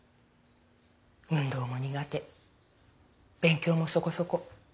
運動も苦手勉強もそこそこ。